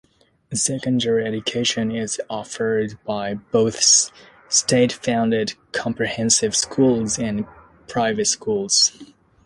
Secondary education is offered by both state-funded comprehensive schools and private schools.